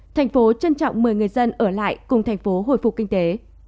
thành phố trân trọng mời người dân ở lại cùng thành phố hồi phục kinh tế